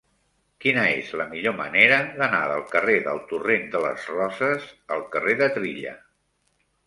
Quina és la millor manera d'anar del carrer del Torrent de les Roses al carrer de Trilla?